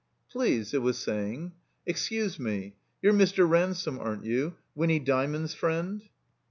"Please," it was saying, ''excuse me, you*re Mr. Ransome, aren't you — ^Winny Djmaond's friend?"